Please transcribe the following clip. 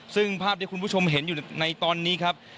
ซึ่งภาพที่คุณผู้ชมเห็นอยู่ในตอนนี้ครับ